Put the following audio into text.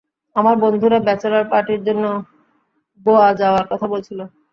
আমার বন্ধুরা ব্যাচেলর পার্টির জন্য গোয়া যাওয়ার কথা বলছিল।